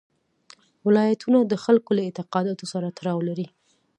ولایتونه د خلکو له اعتقاداتو سره تړاو لري.